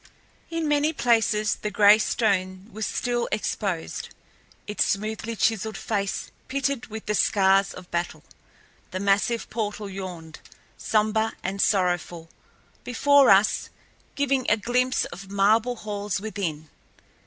In many places the gray stone was still exposed, its smoothly chiseled face pitted with the scars of battle. The massive portal yawned, somber and sorrowful, before us, giving a glimpse of marble halls within.